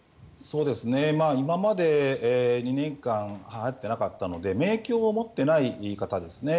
今まで２年間はやっていなかったので免疫を持っていない方ですね